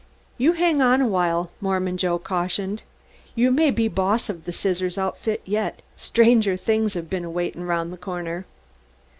"You hang on a while," Mormon Joe cautioned. "You may be boss of the Scissor Outfit yet stranger things have been waiting around the corner."